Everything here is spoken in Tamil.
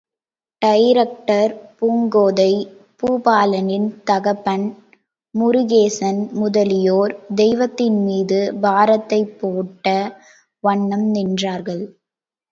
டைரக்டர், பூங்கோதை, பூபாலனின் தகப்பன் முருகேசன் முதலியோர் தெய்வத்தின்மீது பாரத்தைப் போட்ட வண்ணம் நின்றார்கள்.